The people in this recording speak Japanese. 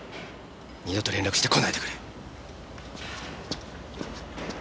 二度と連絡してこないでくれ。